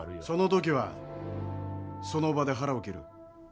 その時はその場で腹を切る。